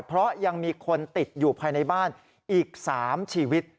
เพราะยังมีคนติดอยู่ภายในบ้านอีก๓ชีวิต